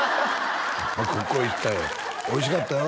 ここ行ったんやおいしかったよ